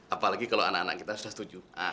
apalagi kalau anak anak kita sudah setuju